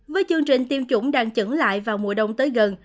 với chương trình tiêm chủng đang trứng lại vào mùa đông tới gần